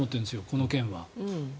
この件は。